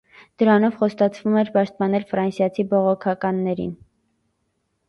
Դրանով խոստացվում էր պաշտպանել ֆրանսիացի բողոքականներին։